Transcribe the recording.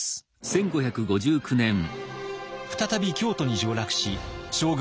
再び京都に上洛し将軍